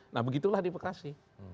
nah begitulah di bekasi